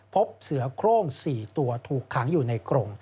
พบเสือโครง๔ตัวถูกขังอยู่ในกรง